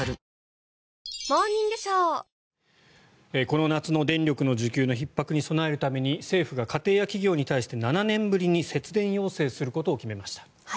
この夏の電力の需給のひっ迫に備えるために政府が家庭や企業に対して７年ぶりに節電要請することを決めました。